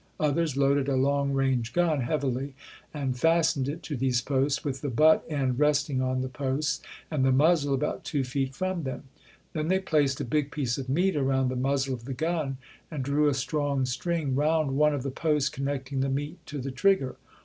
Others loaded a long range gun heavily and fastened it to these posts with the butt end resting on the posts and the muzzle about two feet from them. Then they placed a big piece of meat around the muzzle of the gun and drew a strong string round one of the posts connecting the meat to the trigger.